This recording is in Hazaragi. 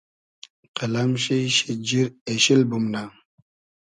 قئلئم شی شیجیر اېشیل بومنۂ